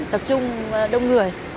tập trung đông người